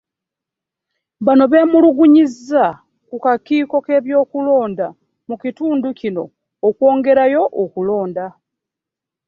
Bano beemulugunyiza ku kakiiko k'ebyokulonda mu kitundu kino okwongerayo okulonda.